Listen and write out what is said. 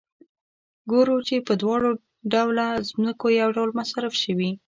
ګورو چې په دواړه ډوله ځمکو یو ډول مصارف شوي